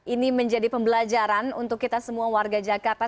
ini menjadi pembelajaran untuk kita semua warga jakarta